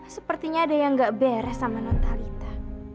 sepertinya ada yang gak beres sama non talita